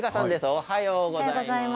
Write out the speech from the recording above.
おはようございます。